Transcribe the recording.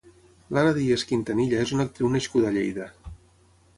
Lara Díez Quintanilla és una actriu nascuda a Lleida.